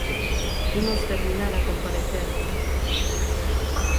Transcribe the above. Imos terminar a comparecencia.